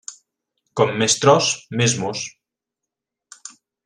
Com més tros, més mos.